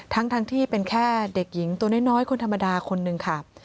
ทั้งที่เป็นแค่เด็กหญิงตัวน้อยคนธรรมดาคนนึงค่ะ